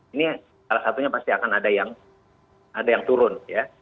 ini salah satunya pasti akan ada yang turun ya